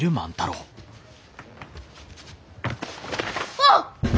あっ！？